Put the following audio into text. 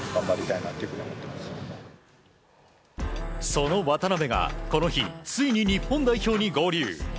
その渡邊がこの日、ついに日本代表に合流。